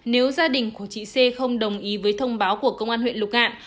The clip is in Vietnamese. nếu gia đình của trị xê không đồng ý với thông báo của công an huyện lục ngạn